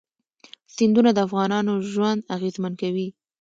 سیندونه د افغانانو ژوند اغېزمن کوي.